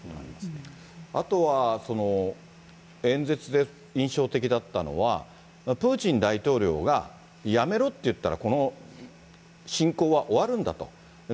あとは演説で印象的だったのは、プーチン大統領が、やめろっていったら、この侵攻は終わるんだと。